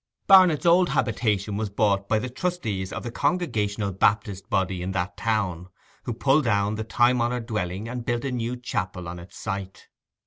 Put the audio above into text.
Barnet's old habitation was bought by the trustees of the Congregational Baptist body in that town, who pulled down the time honoured dwelling and built a new chapel on its site.